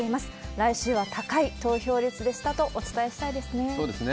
来週は高い投票率でしたとお伝えしたいですね。